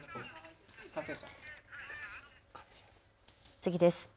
次です。